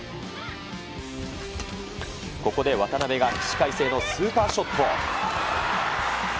ここで渡辺が起死回生のスーパーショット。